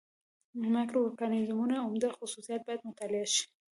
د مایکرو اورګانیزمونو عمده خصوصیات باید مطالعه شي.